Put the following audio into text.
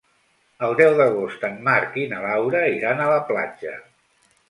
El deu d'agost en Marc i na Laura iran a la platja.